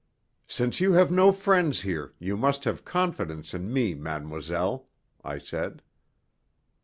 "Since you have no friends here, you must have confidence in me, mademoiselle," I said.